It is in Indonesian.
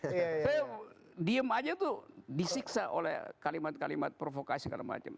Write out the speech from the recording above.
saya diem aja tuh disiksa oleh kalimat kalimat provokasi segala macam